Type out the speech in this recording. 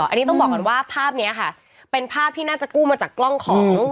อันนี้ต้องบอกก่อนว่าภาพนี้ค่ะเป็นภาพที่น่าจะกู้มาจากกล้องของ